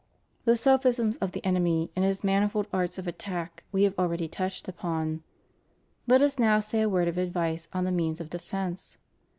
* The sophisms of the enemy and his manifold arts of attack we have already touched upon. Let us now say a word of advice on the means of defence.